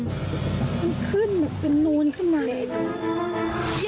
มันขึ้นเหมือนเป็นนู้นขนาดนี้